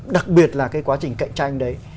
đặc biệt là cái quá trình cạnh tranh đấy